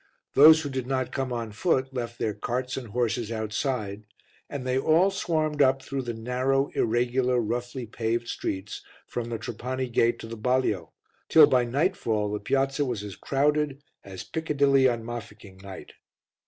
Those who did not come on foot left their carts and horses outside, and they all swarmed up through the narrow, irregular, roughly paved streets from the Trapani gate to the balio, till by nightfall the Piazza was as crowded as Piccadilly on Mafeking night.